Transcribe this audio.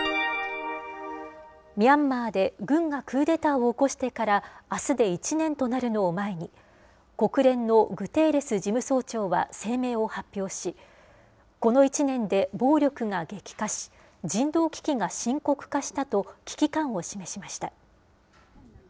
ミャンマーで軍がクーデターを起こしてからあすで１年となるのを前に、国連のグテーレス事務総長は声明を発表し、この１年で暴力が激化し、人道危機が深刻化したと危機感を示しました。